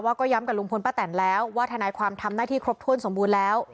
ก็ย้ำกับลุงพลป้าแตนแล้วว่าทนายความทำหน้าที่ครบถ้วนสมบูรณ์แล้ว